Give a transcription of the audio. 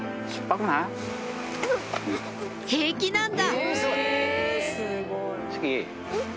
平気なんだ！